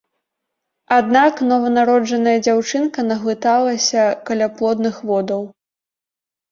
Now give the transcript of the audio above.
Аднак нованароджаная дзяўчынка наглыталася каляплодных водаў.